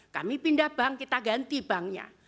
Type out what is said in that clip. kami pindah bank kita ganti banknya